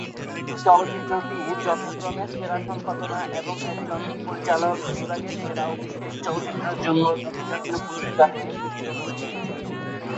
চলচ্চিত্রটি যথাক্রমে সেরা সম্পাদনা এবং একজন পরিচালক বিভাগের সেরা অভিষেক চলচ্চিত্রের জন্য দুটি জাতীয় চলচ্চিত্র পুরষ্কারে ভূষিত হয়েছিল।